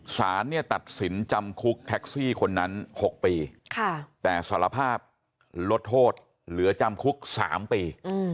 สารเนี่ยตัดสินจำคุกแท็กซี่คนนั้น๖ปีแต่สารภาพลดโทษเหลือจำคุก๓ปี